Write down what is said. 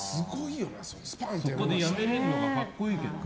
そこで辞めれるのが格好いいけどね。